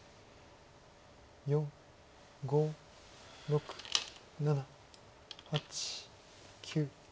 ４５６７８９。